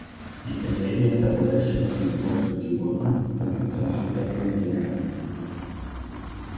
Die "Canadian Federation of University Women" vergibt ein Stipendium mit ihrem Namen.